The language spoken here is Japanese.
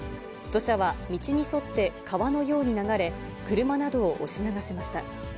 土砂は道に沿って川のように流れ、車などを押し流しました。